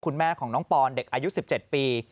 คุณแม่ของน้องปอนเด็กอายุ๑๗ปี